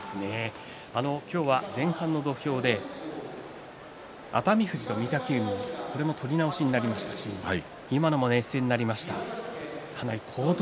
今日は前半の土俵で熱海富士と御嶽海これも取り直しになりましたし今のも熱戦になりました。